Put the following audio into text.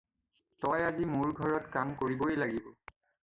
তই আজি মোৰ ঘৰত কাম কৰিবই লাগিব।